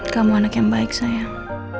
kamu anak yang baik sayang